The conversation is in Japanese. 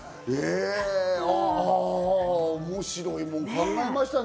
あ、面白いもん考えましたね。